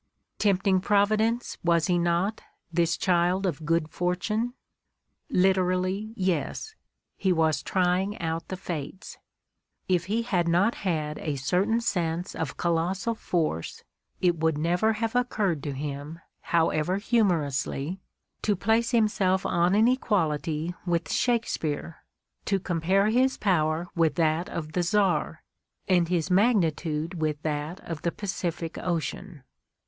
Tempting Providence, was he not, this child of good fortune? Literally, yes; he was trying out the fates. Uf he had not had a certain sense of colossal force, it would never have occurred to him, however humorously, to place himself on an equality with Shakespeare, to compare his power with that of the Czar and his magnitude with that of the Pacific Ocean.